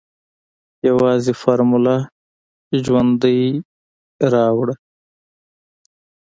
يوازې فارموله ژوندۍ راوړه.